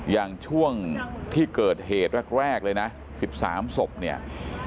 อย่างช่วงที่เกิดเหตุแรกเลยนะ๑๓ศพเนี่ย